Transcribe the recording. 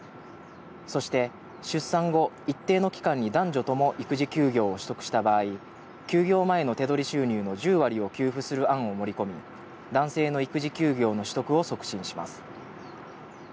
そして出産後、一定の期間に男女とも育児休業を取得した場合、休業前の手取り収入の１０割を給付する案を盛り込み、男性の育児休業の取得を促進します。